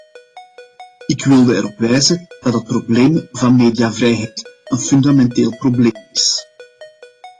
Ik wilde erop wijzen, dat het probleem van mediavrijheid een fundamenteel probleem is.